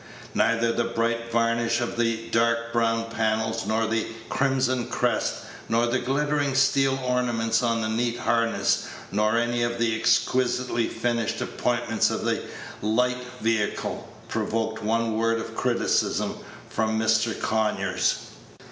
Neither the bright varnish of the dark brown panels, nor the crimson crest, nor the glittering steel ornaments on the neat harness, nor any of the exquisitely finished appointments of the light vehicle, provoked one word of criticism from Mr. Conyers.